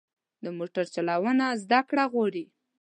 د موټر چلوونه زده کړه غواړي.